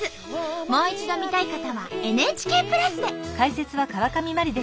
もう一度見たい方はＮＨＫプラスで。